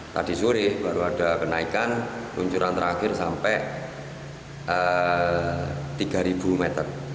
tadi sore baru ada kenaikan luncuran terakhir sampai tiga meter